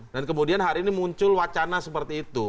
dan kemudian hari ini muncul wacana seperti itu